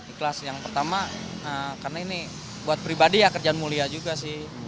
ikhlas yang pertama karena ini buat pribadi ya kerjaan mulia juga sih